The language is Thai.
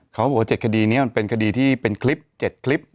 เขาบอกว่า๗คดีนี้มันเป็นคดีที่เป็นคลิป๗คลิป